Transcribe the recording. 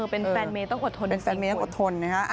เป็นแฟนเม้ต้องกดทน